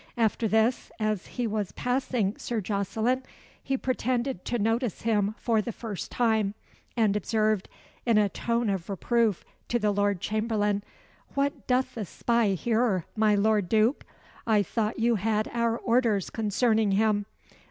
After this, as he was passing Sir Jocelyn, he pretended to notice him for the first time, and observed, in a tone of reproof to the Lord Chamberlain, "What doth the spy here, my Lord Duke? I thought you had our orders concerning him.